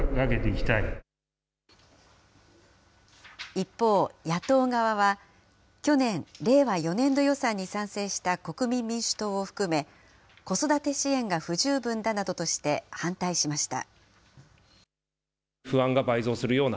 一方、野党側は、去年、令和４年度予算に賛成した国民民主党を含め、子育て支援が不十分だなどとして反対しました。